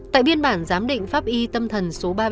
tại biên bản này thao có nhiều biểu hiện bất thường về tâm sinh lý